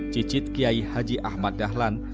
cicit kiai haji ahmad dahlan